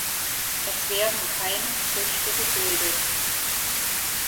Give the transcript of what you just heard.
Es werden keine Früchte gebildet.